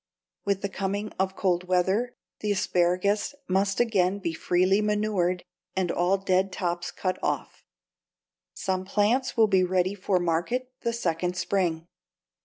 With the coming of cold weather the asparagus must again be freely manured and all dead tops cut off. Some plants will be ready for market the second spring.